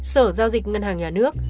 sở giao dịch ngân hàng nhà nước